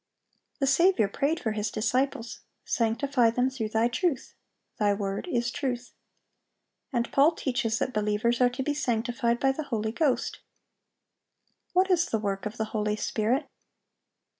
The Saviour prayed for His disciples, "Sanctify them through Thy truth: Thy word is truth."(795) And Paul teaches that believers are to be "sanctified by the Holy Ghost."(796) What is the work of the Holy Spirit?